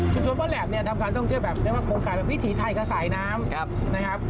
จริงเพราะแหลมทำการต้องเชื่อแบบเรียกว่าโครงการวิถีไทยขสายน้ำนะครับ